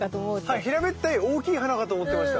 はい平べったい大きい花かと思ってました。